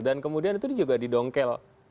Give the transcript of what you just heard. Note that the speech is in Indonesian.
dan kemudian itu juga didongkel